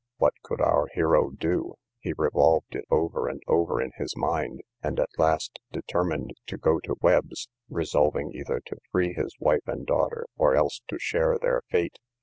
What could our hero do? he revolved it over and over in his mind, and at last determined to go to Webb's, resolving either to free his wife and daughter, or else to share their fate.